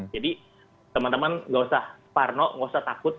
jadi teman teman nggak usah parno nggak usah takut